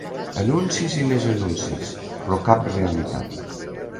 Anuncis, i més anuncis, però cap realitat.